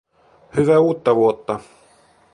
Hyvää uutta vuotta